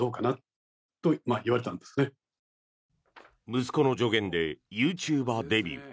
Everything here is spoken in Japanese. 息子の助言でユーチューバーデビュー。